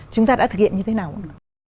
chúng ta đã thực hiện như thế nào ạ